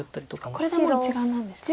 これでもう１眼なんですね。